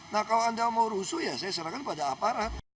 nah kalau anda mau rusuh ya saya serahkan pada aparat